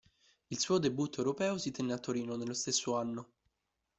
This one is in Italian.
Il suo debutto europeo si tenne a Torino nello stesso anno.